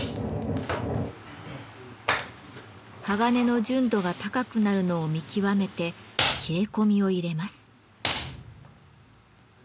鋼の純度が高くなるのを見極めて切れ込みを入れます。